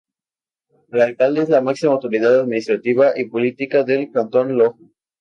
El Alcalde es la máxima autoridad administrativa y política del Cantón Loja.